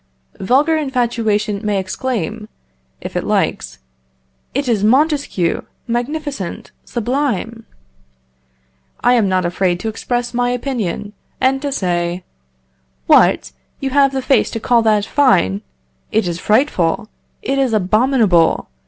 Vulgar infatuation may exclaim, if it likes: "It is Montesquieu! magnificent! sublime!" I am not afraid to express my opinion, and to say: "What! you have the face to call that fine? It is frightful! it is abominable!